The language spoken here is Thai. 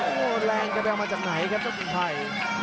โอ้โหแรงจะไปเอามาจากไหนครับเจ้าถิ่นไทย